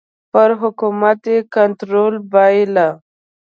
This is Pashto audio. پر حکومت یې کنټرول بایله.